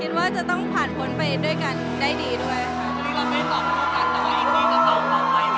ว่าจะต้องผ่านพ้นไปด้วยกันได้ดีด้วยค่ะ